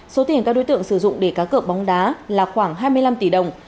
số tiền các đối tượng sử dụng để cá cợa bóng đá là khoảng hai mươi năm tỷ đồng